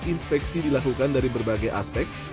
inspeksi dilakukan dari berbagai aspek